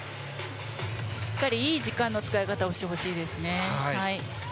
しっかり、いい時間の使い方をしてほしいです。